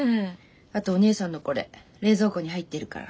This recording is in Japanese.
あとお姉さんのこれ冷蔵庫に入ってるから。